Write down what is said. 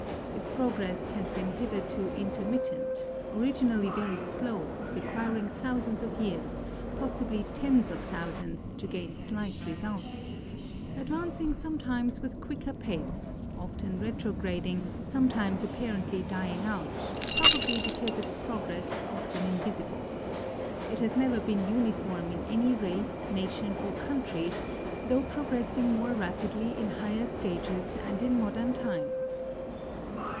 Its progress has been hitherto intermittent — originally very slow, requiring thousands of years, possibly tens of thou sands, to gain slight results; advancing sometimes with quicker pace, often retrograding, sometimes ai)parently dying out, pr()l)a bly because its progress is often invisible. It has never been uni form in any race, nation, or country, though progressing more rapidly in higher stages and in modern times.